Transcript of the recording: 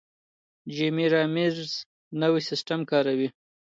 جیمي رامیرز نوی سیستم کاروي.